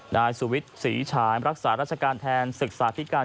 นายสุวิทย์ศรีฉายรักษาราชการแทนศึกษาธิการ